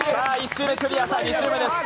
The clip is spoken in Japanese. １周目、クリア、２周目です。